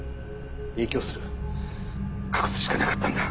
隠すしかなかったんだ。